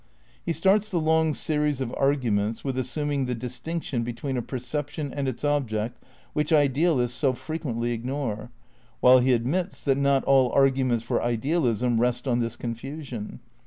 He starts the long series of arguments with assum ing "the distiaction between a perception and its ob ject which idealists so frequently ignore," while he admits that not "aU arguments for Idealism rest on this confusion."